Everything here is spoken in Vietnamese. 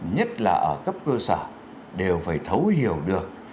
nhất là ở cấp cơ sở đều phải thấu hiểu được